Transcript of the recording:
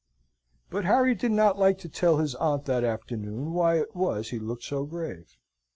But Harry did not like to tell his aunt that afternoon why it was he looked so grave.